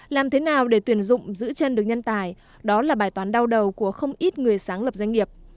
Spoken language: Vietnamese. làm thế nào để tuyển dụng giữ chân được nhân tài đó là bài toán đau đầu của không ít người sáng lập doanh nghiệp